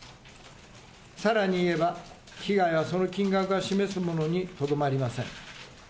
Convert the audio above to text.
さらに言えば、被害はその金額が示すものにとどまりません。